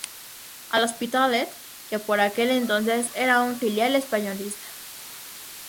L'Hospitalet, que por aquel entonces era un filial españolista.